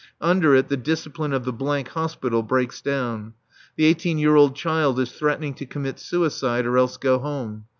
Under it the discipline of the Hospital breaks down. The eighteen year old child is threatening to commit suicide or else go home.